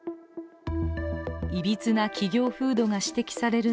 いびつな企業風土が指摘される